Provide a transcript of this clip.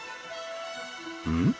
うん？